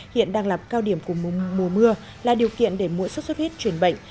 hiện đang lập cao điểm của mùa mưa là điều kiện để mỗi xuất xuất huyết chuyển bệnh